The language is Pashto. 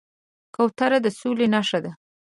کوتره د سولې نښه ده.